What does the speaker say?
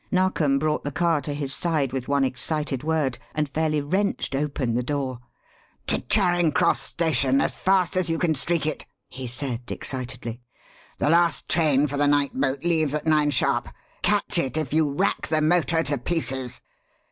Narkom brought the car to his side with one excited word, and fairly wrenched open the door. "To Charing Cross station as fast as you can streak it!" he said, excitedly. "The last train for the night boat leaves at nine sharp. Catch it, if you rack the motor to pieces."